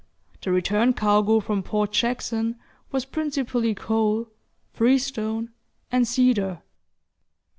The return cargo from Port Jackson was principally coal, freestone, and cedar.